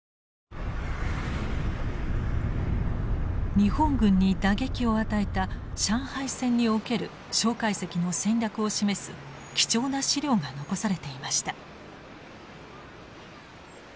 日本軍に打撃を与えた上海戦における介石の戦略を示す貴重な資料が残されていました。